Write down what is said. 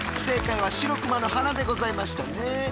正解はシロクマの鼻でございましたね。